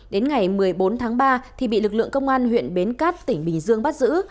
đến ngày một mươi bốn tháng ba thì bị lực lượng công an huyện bến cát tỉnh bình dương bắt giữ